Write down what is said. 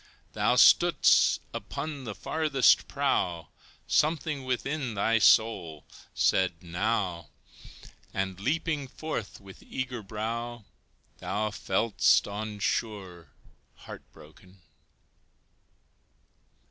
Thou stood'st upon the farthest prow, Something within thy soul said "Now!" And leaping forth with eager brow, Thou fell'st on shore heart broken.